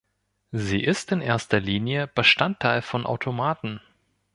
Sie ist in erster Linie Bestandteil von Automaten.